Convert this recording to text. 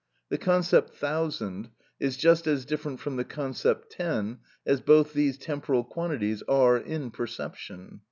The concept "thousand" is just as different from the concept "ten," as both these temporal quantities are in perception.